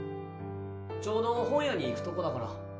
ちょうど本屋に行くとこだから。